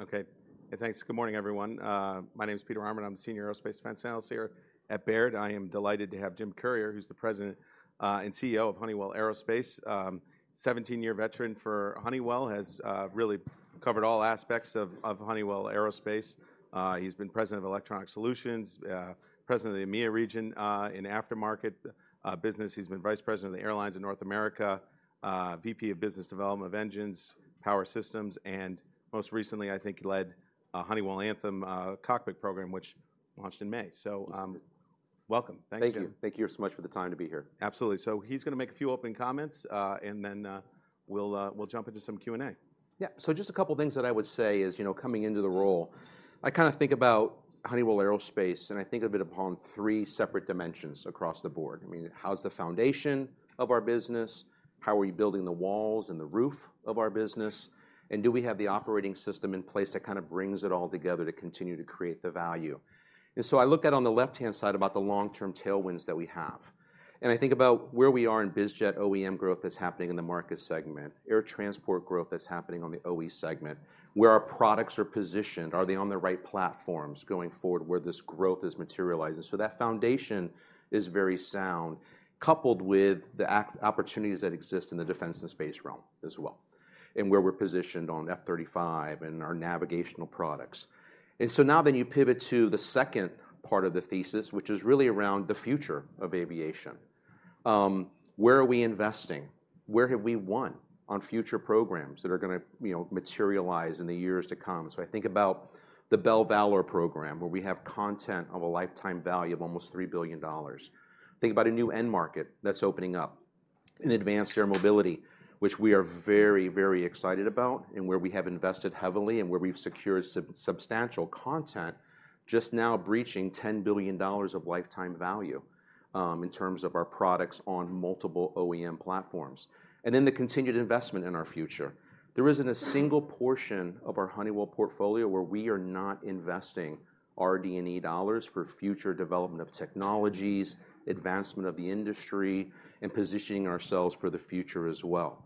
Okay. Thanks. Good morning, everyone. My name is Peter Arment. I'm a senior aerospace defense analyst here at Baird. I am delighted to have Jim Currier, who's the President and CEO of Honeywell Aerospace. 17-year veteran for Honeywell, has really covered all aspects of Honeywell Aerospace. He's been President of Electronic Solutions, President of the EMEA region in aftermarket business. He's been Vice President of the airlines in North America, VP of business development of Engines, Power Systems, and most recently, I think he led Honeywell Anthem cockpit program, which launched in May. So, Yes. Welcome. Thank you. Thank you. Thank you so much for the time to be here. Absolutely. So he's going to make a few opening comments, and then we'll jump into some Q&A. Yeah. So just a couple of things that I would say is, you know, coming into the role, I kind of think about Honeywell Aerospace, and I think of it upon three separate dimensions across the board. I mean, how's the foundation of our business? How are you building the walls and the roof of our business? And do we have the operating system in place that kind of brings it all together to continue to create the value? And so I look at on the left-hand side about the long-term tailwinds that we have. And I think about where we are in biz jet OEM growth that's happening in the market segment, air transport growth that's happening on the OE segment, where our products are positioned, are they on the right platforms going forward, where this growth is materializing? So that foundation is very sound, coupled with the opportunities that exist in the defense and space realm as well, and where we're positioned on F-35 and our navigational products. And so now, then you pivot to the second part of the thesis, which is really around the future of aviation. Where are we investing? Where have we won on future programs that are gonna, you know, materialize in the years to come? So I think about the Bell Valor program, where we have content of a lifetime value of almost $3 billion. Think about a new end market that's opening up in advanced air mobility, which we are very, very excited about, and where we have invested heavily and where we've secured substantial content, just now breaching $10 billion of lifetime value, in terms of our products on multiple OEM platforms. Then the continued investment in our future. There isn't a single portion of our Honeywell portfolio where we are not investing RD&E dollars for future development of technologies, advancement of the industry, and positioning ourselves for the future as well.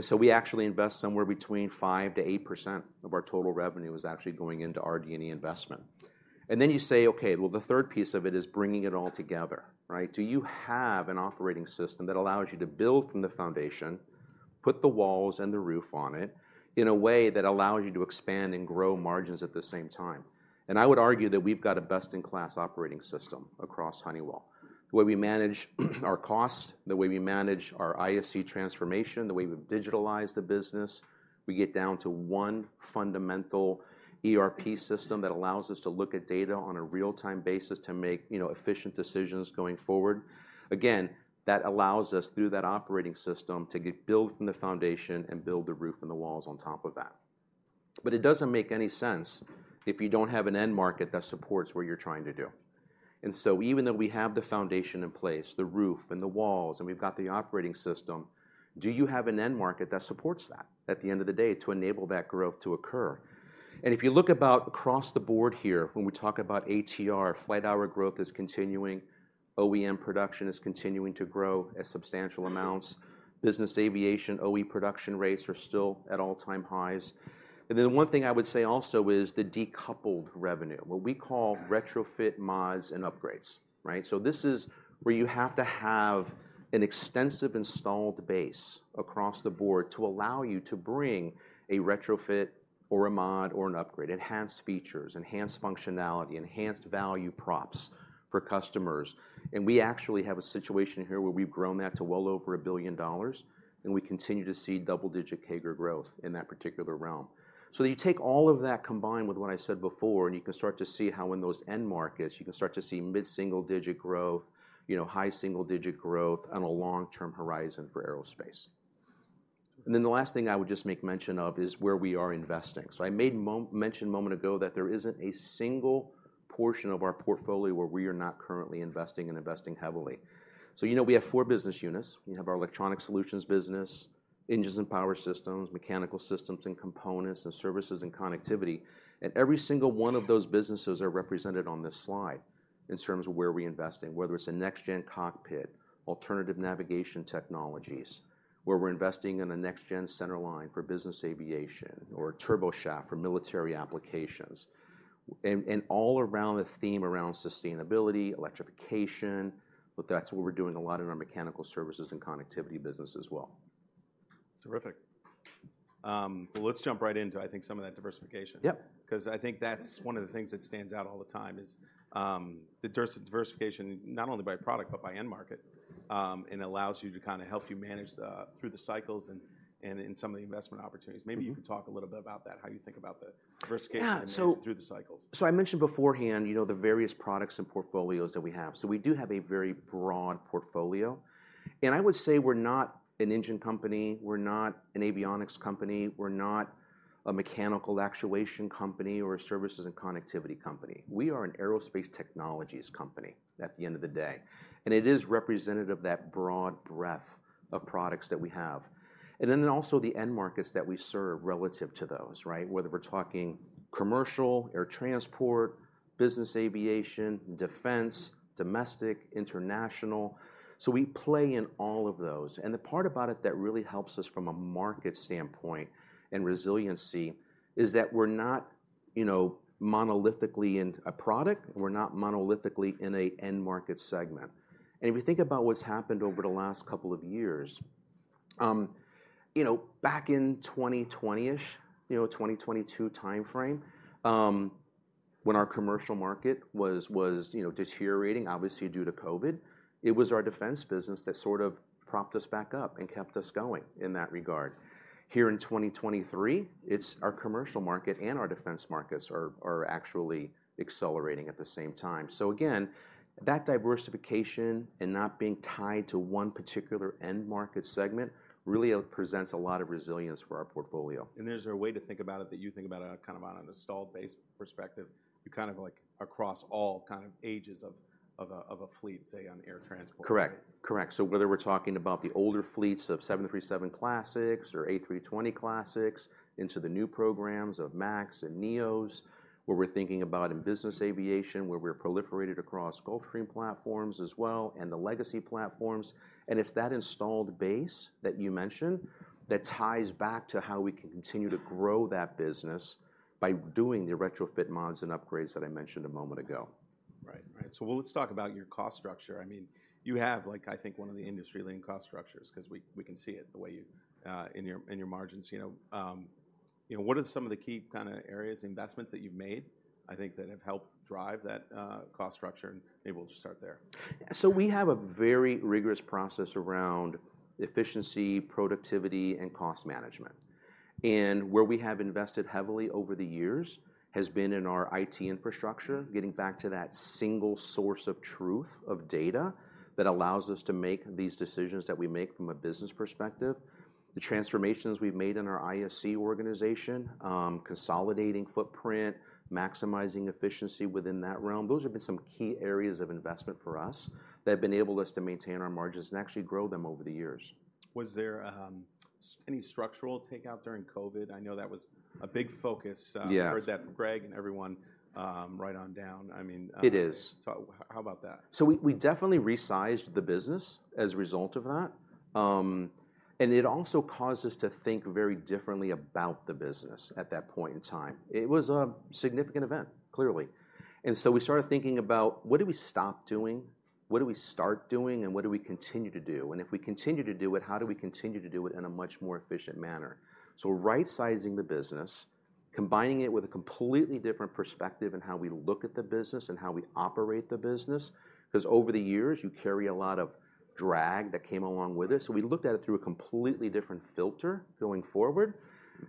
So we actually invest somewhere between 5%-8% of our total revenue is actually going into RD&E investment. Then you say, okay, well, the third piece of it is bringing it all together, right? Do you have an operating system that allows you to build from the foundation, put the walls and the roof on it, in a way that allows you to expand and grow margins at the same time? I would argue that we've got a best-in-class operating system across Honeywell. The way we manage our cost, the way we manage our ISC transformation, the way we've digitalized the business, we get down to one fundamental ERP system that allows us to look at data on a real-time basis to make, you know, efficient decisions going forward. Again, that allows us, through that operating system, to get build from the foundation and build the roof and the walls on top of that. But it doesn't make any sense if you don't have an end market that supports what you're trying to do. And so even though we have the foundation in place, the roof and the walls, and we've got the operating system, do you have an end market that supports that at the end of the day, to enable that growth to occur? And if you look about across the board here, when we talk about ATR, flight hour growth is continuing, OEM production is continuing to grow at substantial amounts, business aviation, OE production rates are still at all-time highs. And then one thing I would say also is the decoupled revenue, what we call retrofit mods and upgrades, right? So this is where you have to have an extensive installed base across the board to allow you to bring a retrofit or a mod or an upgrade, enhanced features, enhanced functionality, enhanced value props for customers. And we actually have a situation here where we've grown that to well over $1 billion, and we continue to see double-digit CAGR growth in that particular realm. So you take all of that, combined with what I said before, and you can start to see how in those end markets, you can start to see mid-single-digit growth, you know, high single-digit growth on a long-term horizon for aerospace. Then the last thing I would just make mention of is where we are investing. So I made mention a moment ago that there isn't a single portion of our portfolio where we are not currently investing and investing heavily. So, you know, we have four business units. We have our Electronic Solutions business, Engines and Power Systems, Mechanical Systems and Components, and Services and Connectivity. And every single one of those businesses are represented on this slide in terms of where we're investing, whether it's a next-gen cockpit, alternative navigation technologies, where we're investing in a next-gen centerline for business aviation or a turboshaft for military applications, and all around the theme around sustainability, electrification, but that's what we're doing a lot in our Mechanical Services and Connectivity business as well. Terrific. Well, let's jump right into, I think, some of that diversification. Yep. 'Cause I think that's one of the things that stands out all the time is the diversification, not only by product, but by end market, and allows you to kinda help you manage through the cycles and in some of the investment opportunities. Maybe you could talk a little bit about that, how you think about the diversification and manage through the cycles? So I mentioned beforehand, you know, the various products and portfolios that we have. So we do have a very broad portfolio, and I would say we're not an Engine company, we're not an Avionics company, we're not a Mechanical Actuation company or a Services and Connectivity company. We are an Aerospace Technologies company at the end of the day, and it is representative of that broad breadth of products that we have. And then also the end markets that we serve relative to those, right? Whether we're talking commercial, air transport, business aviation, defense, domestic, international. So we play in all of those. And the part about it that really helps us from a market standpoint and resiliency is that we're not, you know, monolithically in a product, we're not monolithically in an end market segment. If you think about what's happened over the last couple of years, you know, back in 2020-ish, you know, 2022 timeframe, when our commercial market was, you know, deteriorating, obviously due to COVID, it was our defense business that sort of propped us back up and kept us going in that regard. Here in 2023, it's our commercial market and our defense markets are actually accelerating at the same time. So again, that diversification and not being tied to one particular end market segment really presents a lot of resilience for our portfolio. There's a way to think about it that you think about it kind of on an installed base perspective, you kind of like across all kind of ages of a fleet, say, on air transport? Correct. Correct. So whether we're talking about the older fleets of 737 Classics or A320 Classics into the new programs of MAX and NEOs, where we're thinking about in business aviation, where we're proliferated across Gulfstream platforms as well, and the Legacy platforms, and it's that installed base that you mentioned that ties back to how we can continue to grow that business by doing the retrofit mods and upgrades that I mentioned a moment ago. Right. Right. So well, let's talk about your cost structure. I mean, you have, like, I think, one of the industry-leading cost structures, 'cause we, we can see it the way you in your, in your margins, you know. You know, what are some of the key kind of areas, investments that you've made, I think, that have helped drive that cost structure? And maybe we'll just start there. We have a very rigorous process around efficiency, productivity, and cost management. Where we have invested heavily over the years has been in our IT infrastructure, getting back to that single source of truth of data that allows us to make these decisions that we make from a business perspective. The transformations we've made in our ISC organization, consolidating footprint, maximizing efficiency within that realm, those have been some key areas of investment for us that have enabled us to maintain our margins and actually grow them over the years. Was there any structural takeout during COVID? I know that was a big focus. Yes. I heard that from Greg and everyone, right on down. I mean, It is. So how about that? So we definitely resized the business as a result of that. And it also caused us to think very differently about the business at that point in time. It was a significant event, clearly, and so we started thinking about: What do we stop doing? What do we start doing? And what do we continue to do? And if we continue to do it, how do we continue to do it in a much more efficient manner? So right-sizing the business, combining it with a completely different perspective in how we look at the business and how we operate the business, 'cause over the years, you carry a lot of drag that came along with it. So we looked at it through a completely different filter going forward,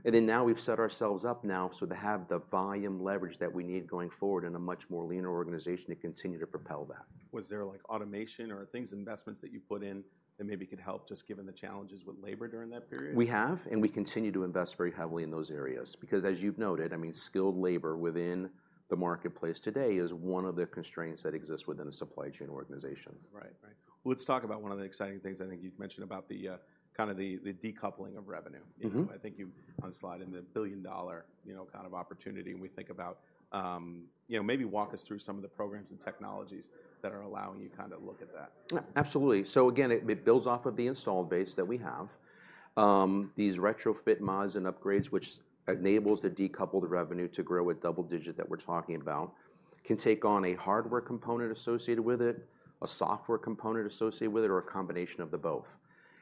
and then now we've set ourselves up now, so to have the volume leverage that we need going forward in a much more leaner organization to continue to propel that. Was there, like, automation or things, investments that you put in that maybe could help, just given the challenges with labor during that period? We have, and we continue to invest very heavily in those areas because, as you've noted, I mean, skilled labor within the marketplace today is one of the constraints that exists within a supply chain organization. Right. Right. Well, let's talk about one of the exciting things I think you've mentioned about the kind of the decoupling of revenue. Mm-hmm. You know, I think you on slide in the billion-dollar, you know, kind of opportunity, and we think about. You know, maybe walk us through some of the programs and technologies that are allowing you to kind of look at that? Absolutely. So again, it, it builds off of the installed base that we have. These retrofit mods and upgrades, which enables the decoupled revenue to grow at double digit that we're talking about, can take on a hardware component associated with it, a software component associated with it, or a combination of the both.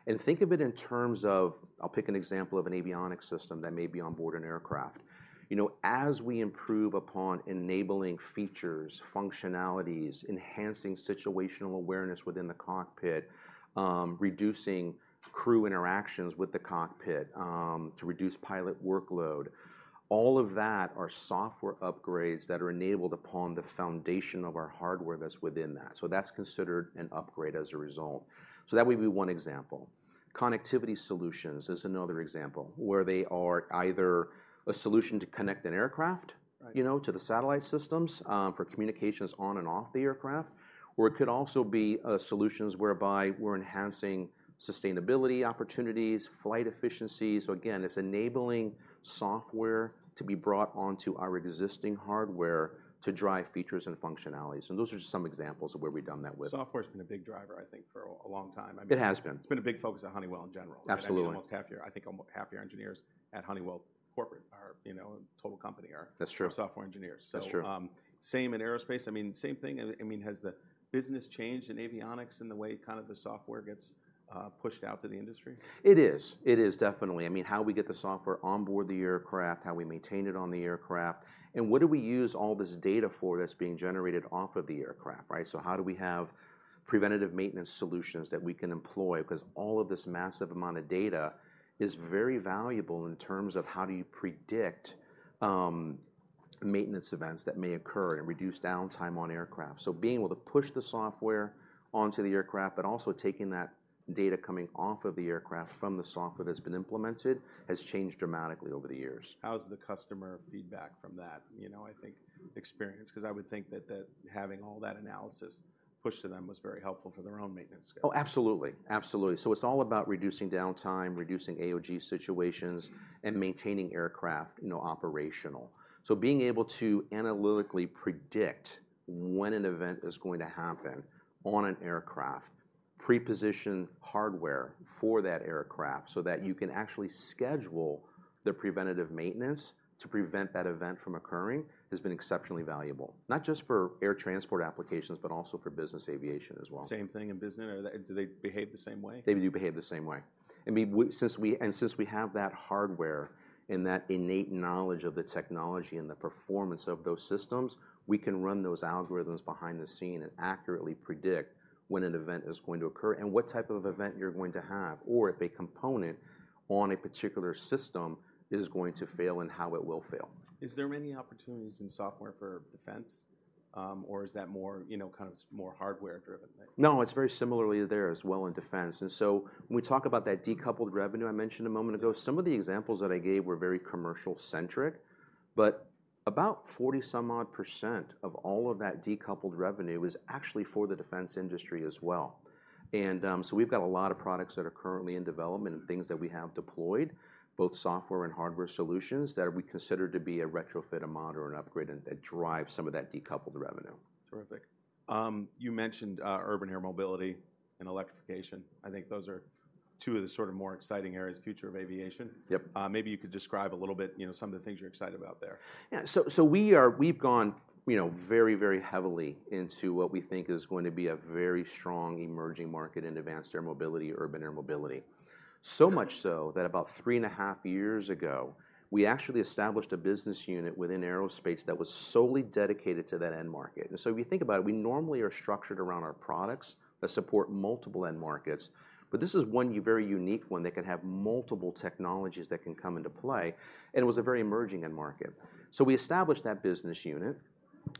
And think of it in terms of. I'll pick an example of an avionics system that may be on board an aircraft. You know, as we improve upon enabling features, functionalities, enhancing situational awareness within the cockpit, reducing crew interactions with the cockpit, to reduce pilot workload, all of that are software upgrades that are enabled upon the foundation of our hardware that's within that. So that's considered an upgrade as a result. So that would be one example. Connectivity solutions is another example, where they are either a solution to connect an aircraft you know, to the satellite systems, for communications on and off the aircraft, or it could also be solutions whereby we're enhancing sustainability opportunities, flight efficiency. So again, it's enabling software to be brought onto our existing hardware to drive features and functionalities, and those are just some examples of where we've done that with. Software's been a big driver, I think, for a long time. I mean- It has been. It's been a big focus at Honeywell in general. Absolutely. I think almost half your engineers at Honeywell Corporate are, you know, total company are- That's true... are software engineers. That's true. So, same in aerospace, I mean, same thing, and, I mean, has the business changed in avionics and the way kind of the software gets pushed out to the industry? It is. It is, definitely. I mean, how we get the software on board the aircraft, how we maintain it on the aircraft, and what do we use all this data for that's being generated off of the aircraft, right? So how do we have preventative maintenance solutions that we can employ? Because all of this massive amount of data is very valuable in terms of how do you predict, maintenance events that may occur and reduce downtime on aircraft. So being able to push the software onto the aircraft, but also taking that data coming off of the aircraft from the software that's been implemented, has changed dramatically over the years. How's the customer feedback from that? You know, I think experience, 'cause I would think that having all that analysis pushed to them was very helpful for their own maintenance scale. Oh, absolutely. Absolutely. So it's all about reducing downtime, reducing AOG situations, and maintaining aircraft, you know, operational. So being able to analytically predict when an event is going to happen on an aircraft, pre-position hardware for that aircraft so that you can actually schedule the preventative maintenance to prevent that event from occurring, has been exceptionally valuable. Not just for air transport applications, but also for business aviation as well. Same thing in business, or do they behave the same way? They do behave the same way. I mean, since we have that hardware and that innate knowledge of the technology and the performance of those systems, we can run those algorithms behind the scenes and accurately predict when an event is going to occur, and what type of event you're going to have, or if a component on a particular system is going to fail, and how it will fail. Is there many opportunities in software for defense, or is that more, you know, kind of more hardware-driven thing? No, it's very similarly there as well in defense, and so when we talk about that decoupled revenue I mentioned a moment ago, some of the examples that I gave were very commercial-centric, but about 40-some-odd% of all of that decoupled revenue is actually for the defense industry as well. And, so we've got a lot of products that are currently in development and things that we have deployed, both software and hardware solutions, that we consider to be a retrofit, a mod, or an upgrade, and that drive some of that decoupled revenue. Terrific. You mentioned Urban Air Mobility and Electrification. I think those are two of the sort of more exciting areas, future of aviation. Yep. Maybe you could describe a little bit, you know, some of the things you're excited about there? Yeah. So, so we are, we've gone, you know, very, very heavily into what we think is going to be a very strong emerging market in advanced air mobility, urban air mobility. So much so, that about three and a half years ago, we actually established a business unit within aerospace that was solely dedicated to that end market. And so if you think about it, we normally are structured around our products that support multiple end markets, but this is one very unique one that can have multiple technologies that can come into play, and it was a very emerging end market. So we established that business unit,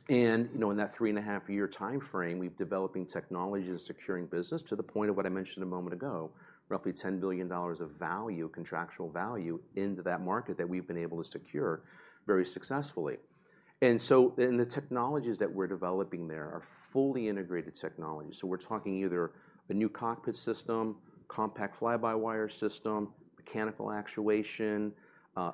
and, you know, in that three-and-a-half-year timeframe, we've developing technologies, securing business to the point of what I mentioned a moment ago, roughly $10 billion of value, contractual value, into that market that we've been able to secure very successfully. The technologies that we're developing there are fully integrated technologies. So we're talking either a new cockpit system, compact fly-by-wire system, mechanical actuation,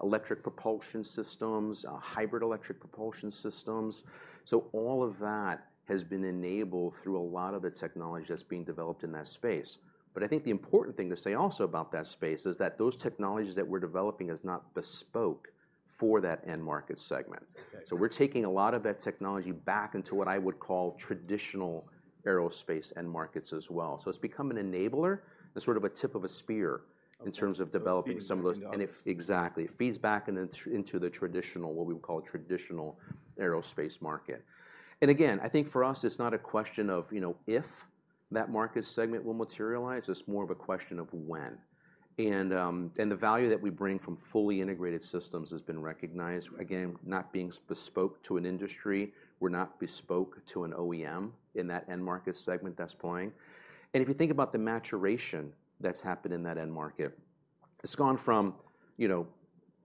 electric propulsion systems, hybrid electric propulsion systems. So all of that has been enabled through a lot of the technology that's being developed in that space. But I think the important thing to say also about that space is that those technologies that we're developing is not bespoke for that end market segment. Okay. So we're taking a lot of that technology back into what I would call traditional aerospace end markets as well. So it's become an enabler and sort of a tip of a spear in terms of developing some of those- Feeding off. Exactly. It feeds back into, into the traditional, what we would call a traditional aerospace market. And again, I think for us, it's not a question of, you know, if that market segment will materialize. It's more of a question of when. And, and the value that we bring from fully integrated systems has been recognized. Again, not being bespoke to an industry, we're not bespoke to an OEM in that end market segment that's playing. And if you think about the maturation that's happened in that end market, it's gone from, you know,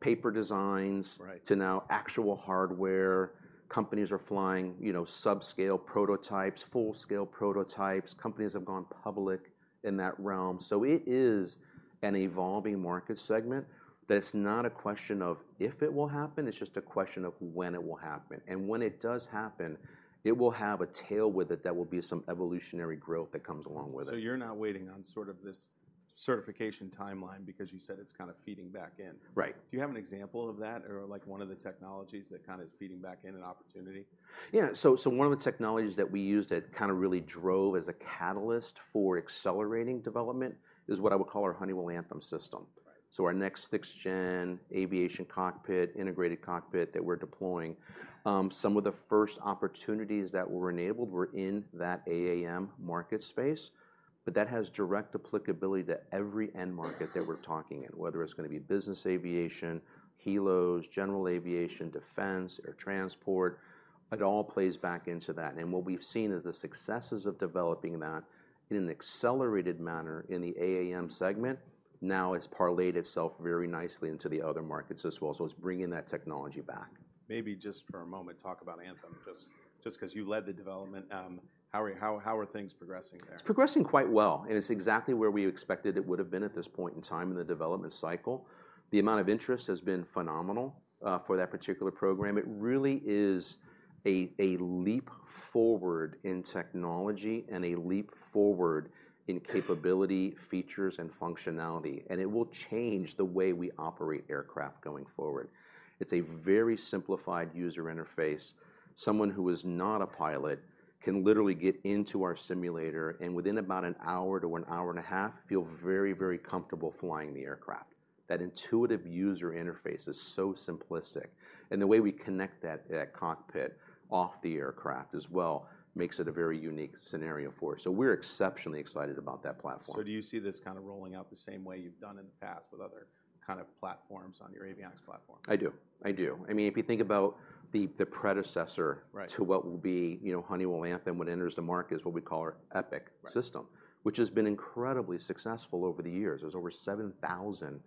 paper designs to now actual hardware. Companies are flying, you know, subscale prototypes, full-scale prototypes. Companies have gone public in that realm. So it is an evolving market segment that it's not a question of if it will happen. It's just a question of when it will happen. And when it does happen, it will have a tail with it that will be some evolutionary growth that comes along with it. You're now waiting on sort of this certification timeline because you said it's kind of feeding back in? Right. Do you have an example of that, or, like, one of the technologies that kind of is feeding back in an opportunity? Yeah, so, so one of the technologies that we used that kind of really drove as a catalyst for accelerating development is what I would call our Honeywell Anthem system. Right. So our next sixth-gen aviation cockpit, integrated cockpit that we're deploying, some of the first opportunities that were enabled were in that AAM market space, but that has direct applicability to every end market that we're talking in, whether it's gonna be business aviation, helos, general aviation, defense, air transport, it all plays back into that. And what we've seen is the successes of developing that in an accelerated manner in the AAM segment, now it's parlayed itself very nicely into the other markets as well, so it's bringing that technology back. Maybe just for a moment, talk about Anthem, just 'cause you led the development. How are things progressing there? It's progressing quite well, and it's exactly where we expected it would have been at this point in time in the development cycle. The amount of interest has been phenomenal for that particular program. It really is a leap forward in technology and a leap forward in capability, features, and functionality, and it will change the way we operate aircraft going forward. It's a very simplified user interface. Someone who is not a pilot can literally get into our simulator, and within about an hour to an hour and a half, feel very, very comfortable flying the aircraft. That intuitive user interface is so simplistic, and the way we connect that cockpit off the aircraft as well, makes it a very unique scenario for us. So we're exceptionally excited about that platform. So do you see this kind of rolling out the same way you've done in the past with other kind of platforms on your avionics platform? I do, I do. I mean, if you think about the, the predecessor to what will be, you know, Honeywell Anthem, when it enters the market, is what we call our Epic system which has been incredibly successful over the years. There's over 7,000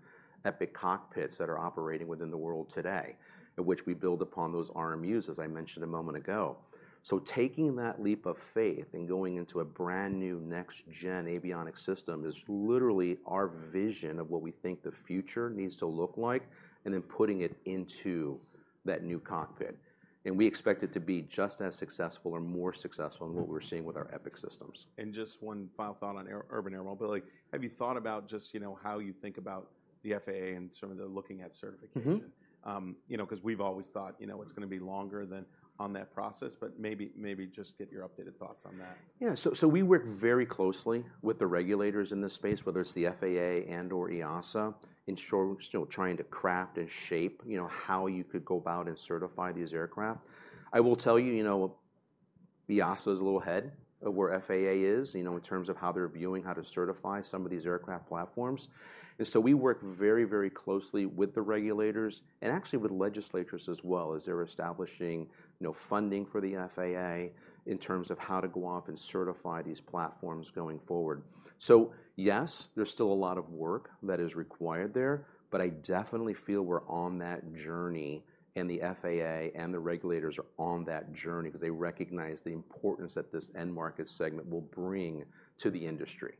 Epic cockpits that are operating within the world today, in which we build upon those RMUs, as I mentioned a moment ago. So taking that leap of faith and going into a brand-new next-gen avionics system is literally our vision of what we think the future needs to look like, and then putting it into that new cockpit, and we expect it to be just as successful or more successful than what we're seeing with our Epic systems. Just one final thought on urban air mobility. Have you thought about just, you know, how you think about the FAA and some of the looking at certification? Mm-hmm. You know, 'cause we've always thought, you know, it's gonna be longer than on that process, but maybe, maybe just get your updated thoughts on that. Yeah, so we work very closely with the regulators in this space, whether it's the FAA and/or EASA, ensure we're still trying to craft and shape, you know, how you could go about and certify these aircraft. I will tell you, you know, EASA is a little ahead of where FAA is, you know, in terms of how they're viewing how to certify some of these aircraft platforms. And so we work very, very closely with the regulators and actually with legislators as well, as they're establishing, you know, funding for the FAA in terms of how to go off and certify these platforms going forward. So yes, there's still a lot of work that is required there, but I definitely feel we're on that journey, and the FAA and the regulators are on that journey because they recognize the importance that this end market segment will bring to the industry.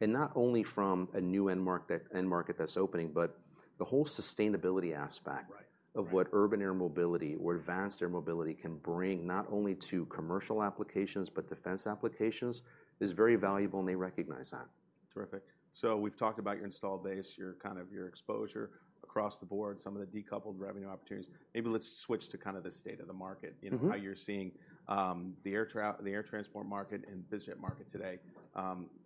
Not only from a new end market, end market that's opening, but the whole sustainability aspect- Right. Right. of what Urban Air Mobility or Advanced Air Mobility can bring, not only to commercial applications, but defense applications, is very valuable, and they recognize that. Terrific. So we've talked about your installed base, your kind of your exposure across the board, some of the decoupled revenue opportunities. Maybe let's switch to kind of the state of the market- Mm-hmm. You know, how you're seeing the air transport market and business market today.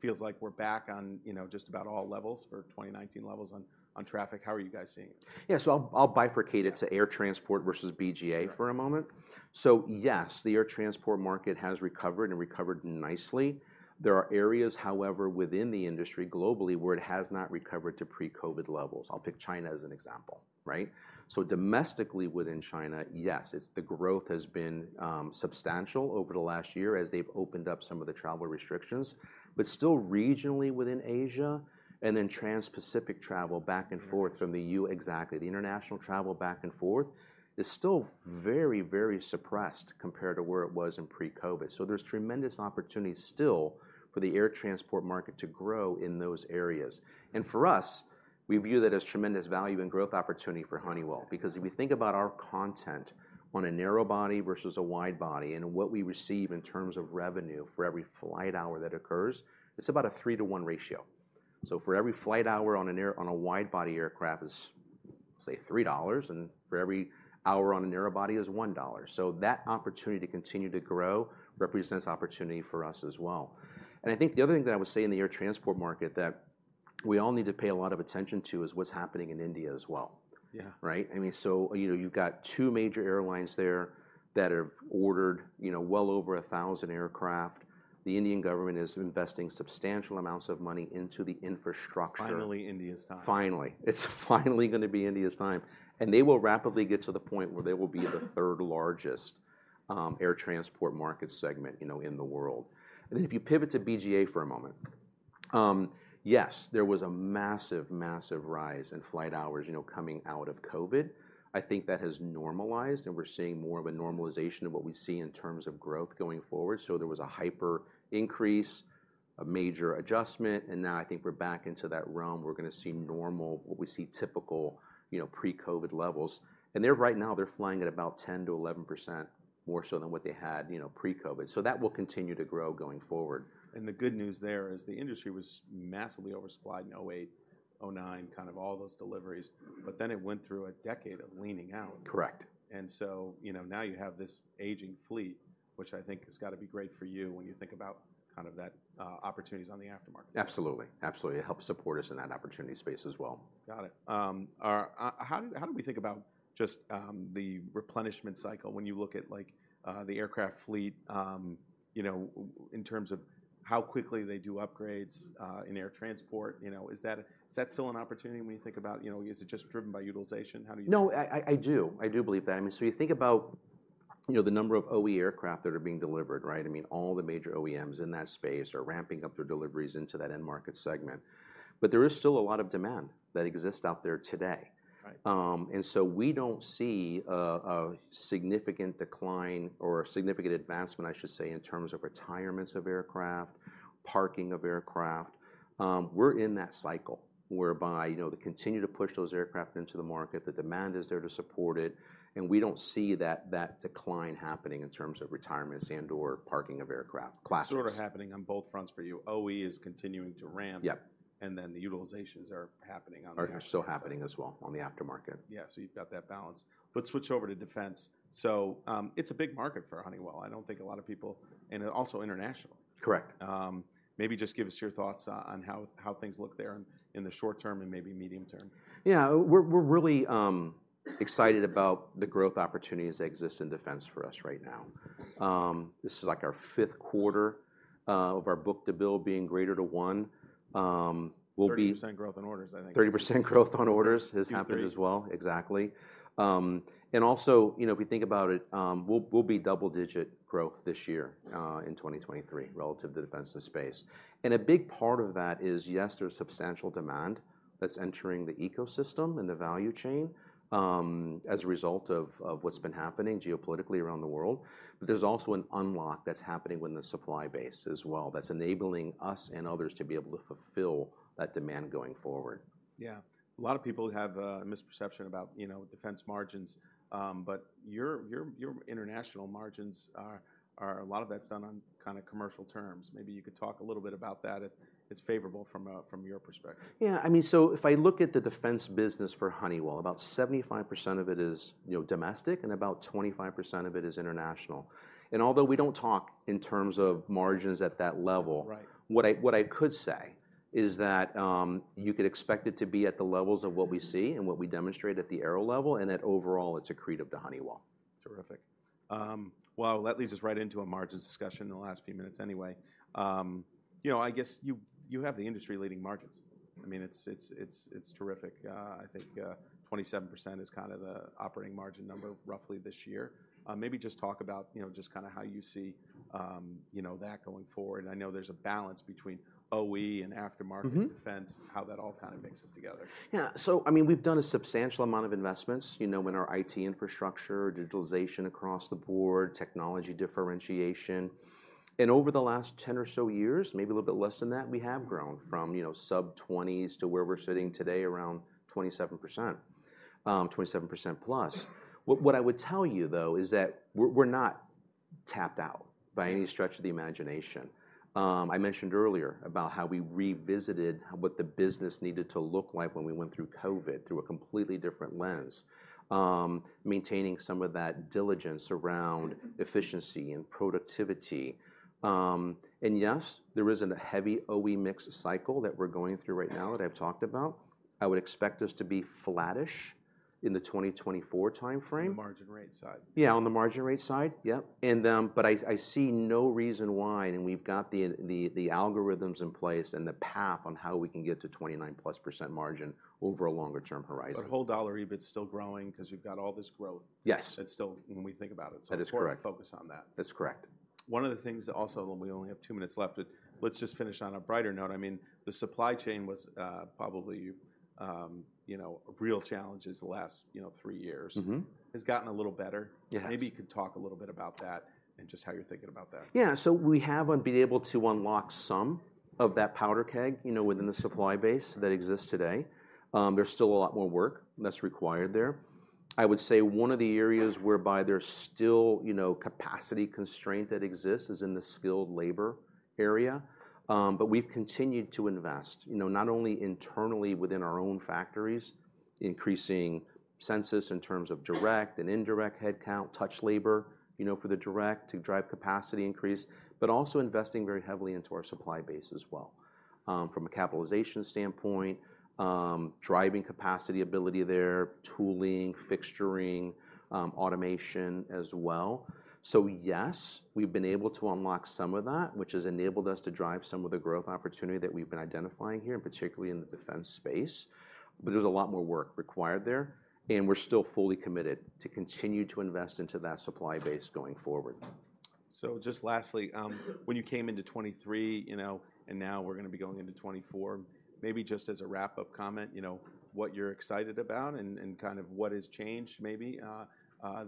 Feels like we're back on, you know, just about all levels for 2019 levels on, on traffic. How are you guys seeing it? Yeah. So I'll, I'll bifurcate it to air transport versus BGA for a moment. Sure. So yes, the air transport market has recovered and recovered nicely. There are areas, however, within the industry globally, where it has not recovered to pre-COVID levels. I'll pick China as an example, right? So domestically, within China, yes, it's the growth has been substantial over the last year as they've opened up some of the travel restrictions, but still regionally within Asia, and then transpacific travel back and forth from the U- Right. Exactly. The international travel back and forth is still very, very suppressed compared to where it was in pre-COVID. So there's tremendous opportunity still for the air transport market to grow in those areas. And for us, we view that as tremendous value and growth opportunity for Honeywell. Because if we think about our content on a narrow body versus a wide body and what we receive in terms of revenue for every flight hour that occurs, it's about a 3-to-1 ratio. So for every flight hour on a wide-body aircraft is, say, $3, and for every hour on a narrow body is $1. So that opportunity to continue to grow represents opportunity for us as well. I think the other thing that I would say in the air transport market that we all need to pay a lot of attention to, is what's happening in India as well. Yeah. Right? I mean, so, you know, you've got two major airlines there that have ordered, you know, well over 1,000 aircraft. The Indian government is investing substantial amounts of money into the infrastructure. It's finally India's time. Finally. It's finally gonna be India's time, and they will rapidly get to the point where they will be the third largest air transport market segment, you know, in the world. And then if you pivot to BGA for a moment, yes, there was a massive, massive rise in flight hours, you know, coming out of COVID. I think that has normalized, and we're seeing more of a normalization of what we see in terms of growth going forward. So there was a hyper increase, a major adjustment, and now I think we're back into that realm. We're gonna see normal, what we see typical, you know, pre-COVID levels. And they're right now, they're flying at about 10%-11% more so than what they had, you know, pre-COVID. So that will continue to grow going forward. The good news there is the industry was massively oversupplied in 2008, 2009, kind of all those deliveries, but then it went through a decade of leaning out. Correct. You know, now you have this aging fleet, which I think has got to be great for you when you think about kind of that opportunities on the aftermarket. Absolutely. Absolutely. It helps support us in that opportunity space as well. Got it. How do we think about just the replenishment cycle when you look at, like, the aircraft fleet, you know, in terms of how quickly they do upgrades in air transport? You know, is that still an opportunity when you think about, you know, is it just driven by utilization? How do you- No, I do believe that. I mean, so you think about, you know, the number of OE aircraft that are being delivered, right? I mean, all the major OEMs in that space are ramping up their deliveries into that end market segment. But there is still a lot of demand that exists out there today. Right. And so we don't see a significant decline or a significant advancement, I should say, in terms of retirements of aircraft, parking of aircraft. We're in that cycle whereby, you know, to continue to push those aircraft into the market, the demand is there to support it, and we don't see that decline happening in terms of retirements and/or parking of aircraft classes. Sort of happening on both fronts for you. OE is continuing to ramp.. Yeah. And then the utilizations are happening on the Are still happening as well on the aftermarket. Yeah, so you've got that balance. Let's switch over to defense. So, it's a big market for Honeywell. I don't think a lot of people... And also international. Correct. Maybe just give us your thoughts on how things look there in the short term and maybe medium term? Yeah, we're really excited about the growth opportunities that exist in defense for us right now. This is like our fifth quarter of our book to bill being greater to one. We'll be- 30% growth in orders, I think. 30% growth on orders has happened as well. Agree. Exactly. And also, you know, if we think about it, we'll be double-digit growth this year in 2023 relative to defense and space. And a big part of that is, yes, there's substantial demand that's entering the ecosystem and the value chain as a result of what's been happening geopolitically around the world. But there's also an unlock that's happening within the supply base as well, that's enabling us and others to be able to fulfill that demand going forward. Yeah. A lot of people have a misperception about, you know, defense margins, but your, your, your international margins are, are a lot of that's done on kind of commercial terms. Maybe you could talk a little bit about that if it's favorable from, from your perspective? Yeah, I mean, so if I look at the defense business for Honeywell, about 75% of it is, you know, domestic, and about 25% of it is international. And although we don't talk in terms of margins at that level- Right What I could say is that you could expect it to be at the levels of what we see and what we demonstrate at the aero level, and that overall, it's accretive to Honeywell. Terrific. Well, that leads us right into a margins discussion in the last few minutes anyway. You know, I guess you, you have the industry-leading margins. I mean, it's, it's, it's, it's terrific. I think, 27% is kind of the operating margin number roughly this year. Maybe just talk about, you know, just kind of how you see, you know, that going forward. I know there's a balance between OE and aftermarket- Mm-hmm... defense, how that all kind of mixes together? Yeah. So, I mean, we've done a substantial amount of investments, you know, in our IT infrastructure, digitalization across the board, technology differentiation. Over the last 10 or so years, maybe a little bit less than that, we have grown from, you know, sub-20% to where we're sitting today, around 27%, 27%+. What, what I would tell you, though, is that we're, we're not tapped out by any stretch of the imagination. I mentioned earlier about how we revisited what the business needed to look like when we went through COVID, through a completely different lens, maintaining some of that diligence around efficiency and productivity. And yes, there is a heavy OE mix cycle that we're going through right now that I've talked about. I would expect us to be flattish in the 2024 time frame. On the margin rate side? Yeah, on the margin rate side. Yep. And, but I see no reason why, and we've got the algorithms in place and the path on how we can get to 29%+ margin over a longer-term horizon. Whole dollar EBIT's still growing because you've got all this growth- Yes. That's still, when we think about it. That is correct. So important to focus on that. That's correct. One of the things also, and we only have two minutes left, but let's just finish on a brighter note. I mean, the supply chain was, probably, you know, a real challenge as the last, you know, three years. Mm-hmm. It's gotten a little better. Yes. Maybe you could talk a little bit about that and just how you're thinking about that? Yeah. So we have been able to unlock some of that powder keg, you know, within the supply base that exists today. There's still a lot more work that's required there. I would say one of the areas whereby there's still, you know, capacity constraint that exists is in the skilled labor area. But we've continued to invest, you know, not only internally within our own factories, increasing census in terms of direct and indirect headcount, touch labor, you know, for the direct to drive capacity increase, but also investing very heavily into our supply base as well. From a capitalization standpoint, driving capacity ability there, tooling, fixturing, automation as well. So yes, we've been able to unlock some of that, which has enabled us to drive some of the growth opportunity that we've been identifying here, and particularly in the defense space. But there's a lot more work required there, and we're still fully committed to continue to invest into that supply base going forward. So just lastly, when you came into 2023, you know, and now we're going to be going into 2024, maybe just as a wrap-up comment, you know, what you're excited about and, and kind of what has changed maybe,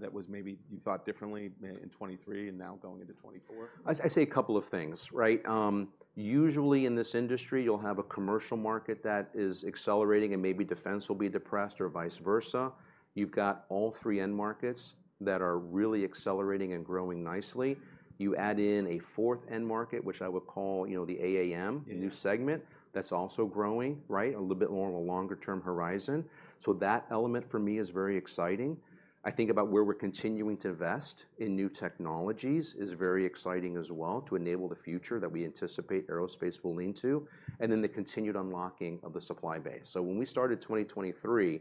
that was maybe you thought differently in 2023 and now going into 2024? I'd say a couple of things, right? Usually, in this industry, you'll have a commercial market that is accelerating, and maybe defense will be depressed or vice versa. You've got all three end markets that are really accelerating and growing nicely. You add in a fourth end market, which I would call, you know, the AAM- Yeah A new segment that's also growing, right? A little bit more of a longer-term horizon. So that element for me is very exciting. I think about where we're continuing to invest in new technologies is very exciting as well, to enable the future that we anticipate aerospace will lean to, and then the continued unlocking of the supply base. So when we started 2023,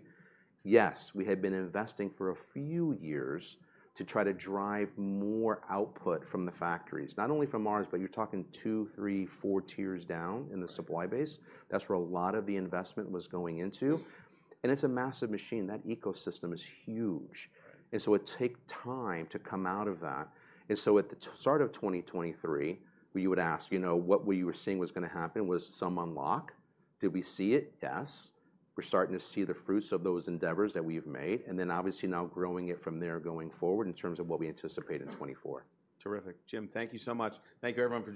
yes, we had been investing for a few years to try to drive more output from the factories, not only from ours, but you're talking II, III, IV Tiers down in the supply base. That's where a lot of the investment was going into, and it's a massive machine. That ecosystem is huge. Right. And so it take time to come out of that. And so at the start of 2023, we would ask, you know, what we were seeing was gonna happen was some unlock. Did we see it? Yes. We're starting to see the fruits of those endeavors that we've made, and then obviously now growing it from there going forward in terms of what we anticipate in 2024. Terrific. Jim, thank you so much. Thank you, everyone, for-